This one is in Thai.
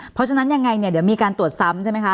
เพราะฉะนั้นยังไงเนี่ยเดี๋ยวมีการตรวจซ้ำใช่ไหมคะ